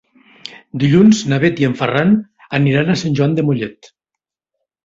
Dilluns na Bet i en Ferran aniran a Sant Joan de Mollet.